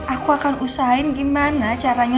aku akan usahain gimana caranya